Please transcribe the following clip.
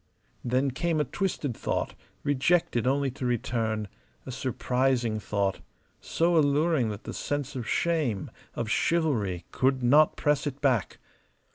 Then came a twisted thought, rejected only to return; a surprising thought, so alluring that the sense of shame, of chivalry, could not press it back.